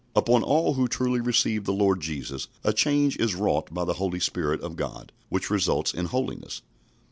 Upon all who truly receive the Lord Jesus a change is wrought by the Holy Spirit of God, which results in holiness.